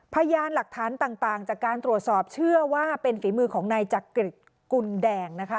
พยานหลักฐานต่างจากการตรวจสอบเชื่อว่าเป็นฝีมือของนายจักริตกุลแดงนะคะ